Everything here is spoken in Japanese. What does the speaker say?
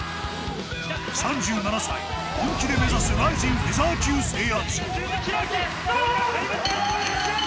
３７歳、本気で目指すＲＩＺＩＮフェザー級制圧。